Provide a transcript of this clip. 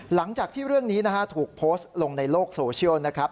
หลังจากที่เรื่องนี้นะฮะถูกโพสต์ลงในโลกโซเชียลนะครับ